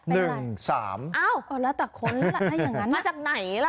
นะแต่คนใดนี่มาจากไหนละ